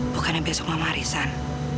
bukannya besok mama harisan